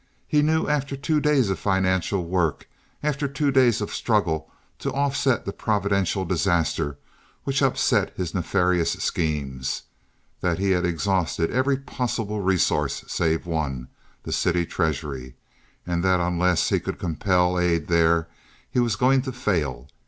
He knew after two days of financial work—after two days of struggle to offset the providential disaster which upset his nefarious schemes—that he had exhausted every possible resource save one, the city treasury, and that unless he could compel aid there he was going to fail.